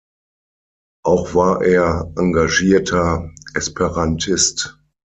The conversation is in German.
Auch war er engagierter Esperantist.